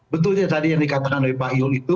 betulnya tadi yang dikatakan oleh pak yul itu